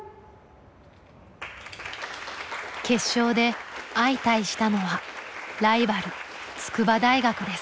決勝で相対したのはライバル筑波大学です。